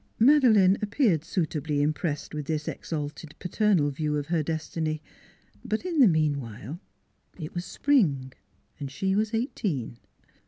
Madeleine appeared suitably impressed with this exalted paternal view of her destiny; but in the meanwhile it was spring, and she was eighteen.